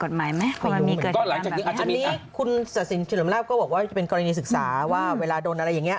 กฎหมายมันไม่ได้ครอบคุมไม่แรง